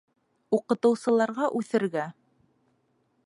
Уҡытыусыларға үҫергә.